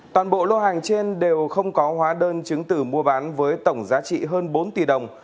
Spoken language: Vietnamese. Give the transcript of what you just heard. toàn bộ lô hàng trên đều không có hóa đơn chứng tử mua bán với tổng giá trị hơn bốn tỷ đồng